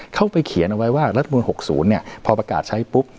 เข้าไปเขียนเอาไว้ว่ารัฐมนุน๖๐พอประกาศใช้ปุ๊บ